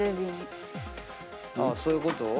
あっそういうこと？